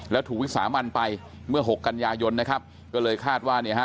แล้วถูกวิสามันไปเมื่อหกกันยายนนะครับก็เลยคาดว่าเนี่ยฮะ